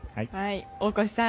大越さん